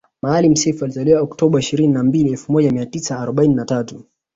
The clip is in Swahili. Maalim Self alizaliwa oktoba ishirini na mbili elfu moja mia tisa arobaini na tatu